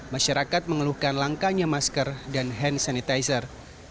masyarakat mengeluhkan langkanya masker dan hand sanitizer